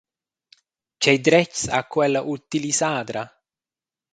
Tgei dretgs ha quella utilisadra?